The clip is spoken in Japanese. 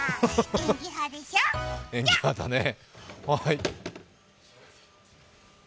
演技派だね、はい。